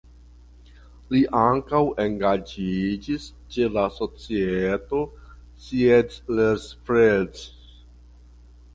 Li ankaŭ engaĝiĝis ĉe la societo "Siedlersfreud".